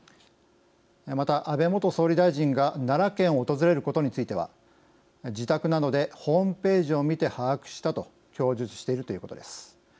また安倍元総理大臣が奈良県を訪れることについては自宅などでホームページを見て把握したと供述しているということです。